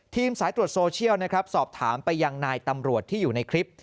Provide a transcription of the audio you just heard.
สายตรวจโซเชียลนะครับสอบถามไปยังนายตำรวจที่อยู่ในคลิป